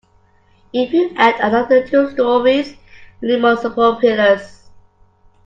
If you add another two storeys, you'll need more support pillars.